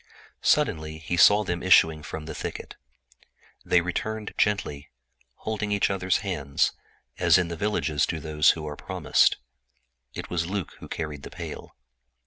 Soon he saw them issuing from the thicket. They returned slowly, holding each other's hands as in the villages do those who are promised. It was Luc who carried the pail.